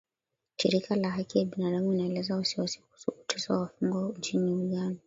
Shirika la Haki ya binadamu inaelezea wasiwasi kuhusu kuteswa wafungwa nchini Uganda